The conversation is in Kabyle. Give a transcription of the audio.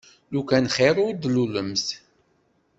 Lukan xir ur d-tlulemt.